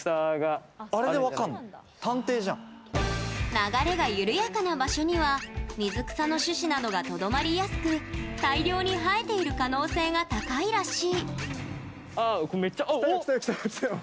流れが緩やかな場所には水草の種子などがとどまりやすく大量に生えている可能性が高いらしい。